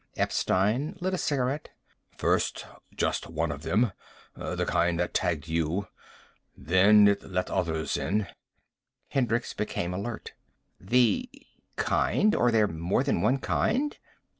Epstein lit a cigarette. "First just one of them. The kind that tagged you. Then it let others in." Hendricks became alert. "The kind? Are there more than one kind?"